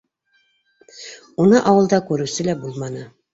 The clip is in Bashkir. Уны ауылда күреүсе лә булманы.